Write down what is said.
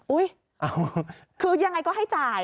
คือยังไงก็ให้จ่าย